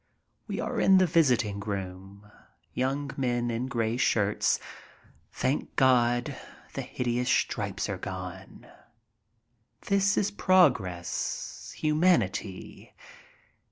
We are in the visiting room. Young men in gray shirts. Thank God, the hideous stripes are gone. This is progress, humanity.